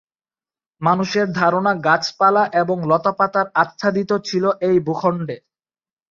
মানুষের ধারণা গাছপালা এবং লতা পাতার আচ্ছাদিত ছিল এই ভূখণ্ডে।